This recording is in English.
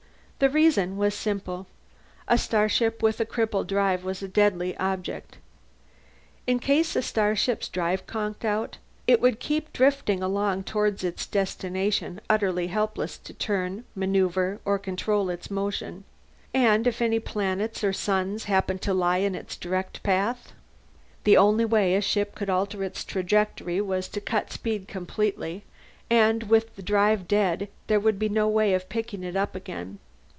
The reason was simple: a starship with a crippled drive was a deadly object. In case a starship's drive conked out, it would keep drifting along toward its destination, utterly helpless to turn, maneuver, or control its motion. And if any planets or suns happened to lie in its direct path The only way a ship could alter its trajectory was to cut speed completely, and with the drive dead there would be no way of picking it up again.